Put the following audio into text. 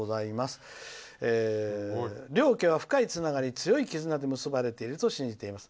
両家は深いつながり強い絆で結ばれていると信じています。